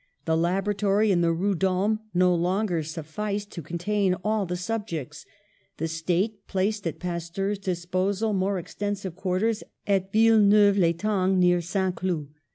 The laboratory in the Rue d'Ulm no longer sufficed to contain all the subjects. The State placed at Pasteur's disposal more exten sive quarters at Villeneuve l'Etang, near Saint Cloud.